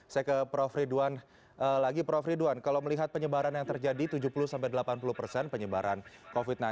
saya ke prof ridwan lagi prof ridwan kalau melihat penyebaran yang terjadi tujuh puluh delapan puluh persen penyebaran covid sembilan belas